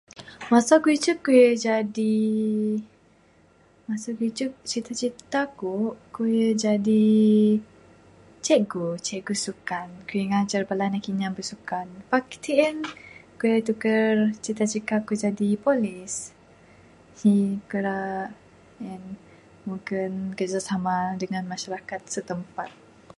Masa ku lagi icek ku ra jadi, masa ku lagi icek cita cita ku ku ra jadi cikgu, cikgu sukan. Ku ra ngajar bala anak inya bisukan pak sien. [unintelligible] cita cita ku jadi polis uhh ku ra en mugon kerjasama dangan masyarakat setempat.